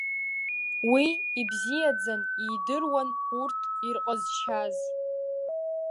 Уи ибзиаӡан идыруан урҭ ирҟазшьаз.